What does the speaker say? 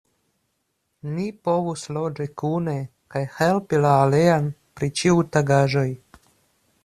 Ni povus loĝi kune kaj helpi la alian pri ĉiutagaĵoj.